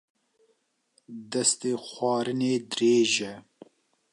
Destê xwarinê dirêj e